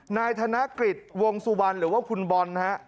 นายธนกฤษวงสุวรรณหรือว่าคุณบอลฮะ